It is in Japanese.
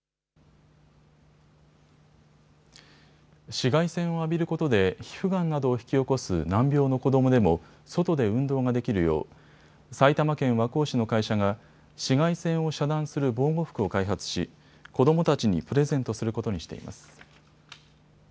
紫外線を浴びることで皮膚がんなどを引き起こす難病の子どもでも外で運動ができるよう埼玉県和光市の会社が紫外線を遮断する防護服を開発し子どもたちにプレゼントすることにしています。